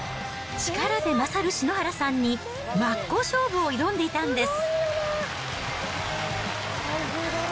力で勝る篠原さんに、真っ向勝負を挑んでいたんです。